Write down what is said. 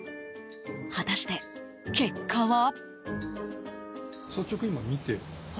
果たして、結果は？